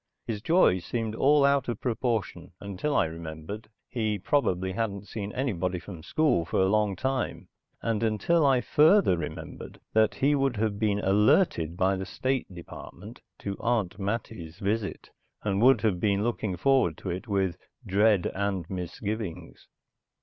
His joy seemed all out of proportion until I remembered he probably hadn't seen anybody from school for a long time; and until I further remembered that he would have been alerted by the State Department to Aunt Mattie's visit and would have been looking forward to it with dread and misgivings.